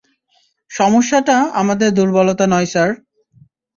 সমস্যাটা আমার দুর্বলতা নয় স্যার।